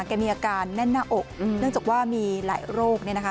แกมีอาการแน่นหน้าอกเนื่องจากว่ามีหลายโรคเนี่ยนะคะ